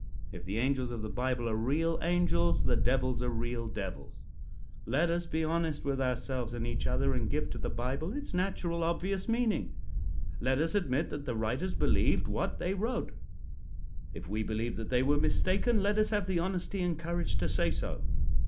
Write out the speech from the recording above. If the angels of the Bible are real angels, the devils are real devils. Let us be honest with ourselves and each other and give to the Bible its natural, obvious meaning. Let us admit that the writers believed what they wrote. If we believe that they were mistaken, let us have the honesty and courage to say so.